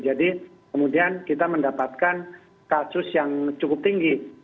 jadi kemudian kita mendapatkan kasus yang cukup tinggi